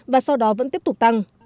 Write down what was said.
và sau đó vẫn tiếp tục tăng